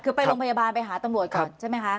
คือไปโรงพยาบาลไปหาตำรวจก่อนใช่ไหมคะ